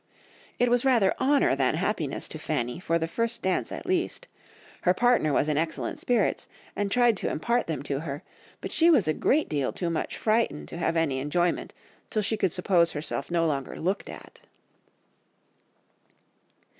It was rather honour than happiness to Fanny for the first dance at least; her partner was in excellent spirits, and tried to impart them to her; but she was a great deal too much frightened to have any enjoyment till she could suppose herself no longer looked at."